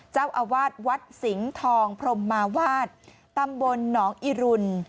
เจ้าอาวาสวัดสิงห์ทองพรมมาวาดตำบลหนองอิรุณ